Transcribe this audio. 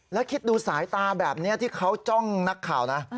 แล้วคิดดูสายตาแบบนี้ที่เขาจ้องนักข่าวนะ